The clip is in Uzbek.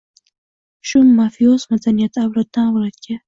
Shu mafioz madaniyati avloddan avlodga